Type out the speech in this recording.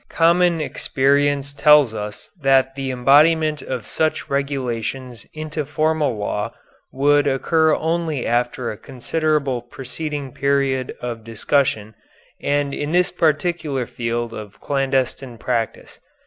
Common experience tells us that the embodiment of such regulations into formal law would occur only after a considerable preceding period of discussion, and in this particular field of clandestine practice.